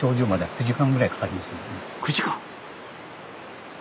９時間！